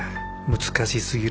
難しすぎる。